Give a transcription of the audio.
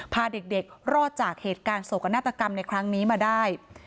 พาเด็กรอดจากเหตุการณ์โศกนาฏกรรมในครั้งนี้มาได้